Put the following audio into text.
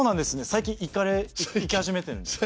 最近行かれ行き始めてるんですか？